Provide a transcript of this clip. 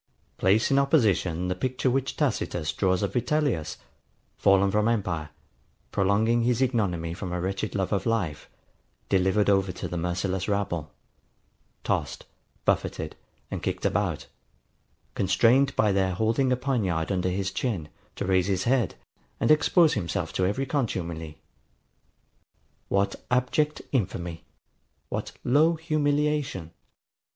] Place in opposition the picture which Tacitus draws of Vitellius, fallen from empire, prolonging his ignominy from a wretched love of life, delivered over to the merciless rabble; tossed, buffeted, and kicked about; constrained, by their holding a poniard under his chin, to raise his head, and expose himself to every contumely. What abject infamy! What low humiliation!